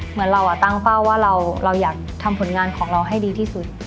เหมือนเราตั้งเป้าว่าเราอยากทำผลงานของเราให้ดีที่สุด